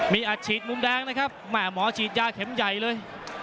มีอัดฉีดมุมแดงนะครับแม่หมอฉีดยาเข็มใหญ่เลย